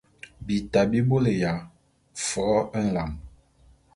Bita bi bôlé ya fo’o nlam.